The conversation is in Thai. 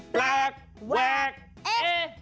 แปลกแวกเอ